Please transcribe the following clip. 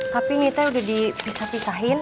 tapi ini teh udah dipisah pisahin